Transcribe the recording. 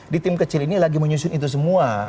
di tim kecil ini lagi menyusun itu semua